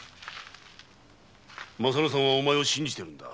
まさ乃さんはお前を信じているのだ。